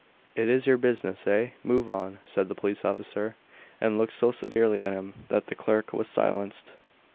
"Is it your business, eh? Move on," said the police officer, and looked so severely at him that the clerk was silenced.